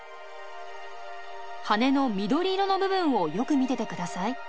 羽の緑色の部分をよく見ててください。